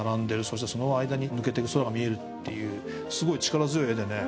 そしてその間に抜けてる空が見えるっていうスゴイ力強い絵でね